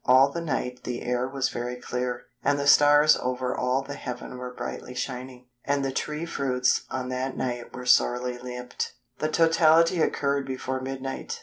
All the night the air was very clear, and the stars over all the heaven were brightly shining. And the tree fruits on that night were sorely nipt." The totality occurred before mid night.